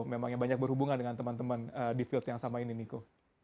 memang yang banyak berhubungan dengan teman teman di field yang sama ini niko